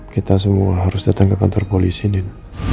kita semua harus datang ke kantor polisi ini